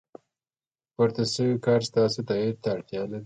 پورته شوی کار ستاسو تایید ته اړتیا لري.